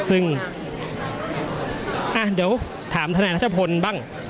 ซึ่งอ่าเดี๋ยวถามฐาแหน่งท่าชะพลบ้าง